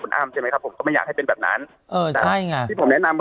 คุณอ้ำใช่ไหมครับผมก็ไม่อยากให้เป็นแบบนั้นเออใช่ไงผม